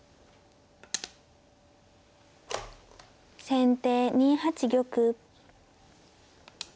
先手２八玉。